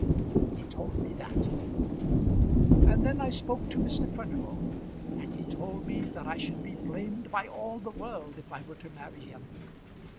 "He told me that." "And then I spoke to Mr. Furnival, and he told me that I should be blamed by all the world if I were to marry him.